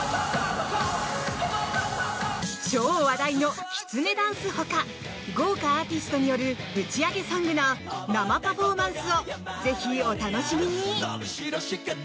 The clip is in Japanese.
超話題のきつねダンス他豪華アーティストによるぶちアゲソングの生パフォーマンスをぜひ、お楽しみに！